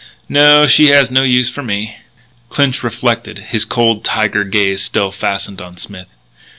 "No. She has no use for me." Clinch reflected, his cold tiger gaze still fastened on Smith.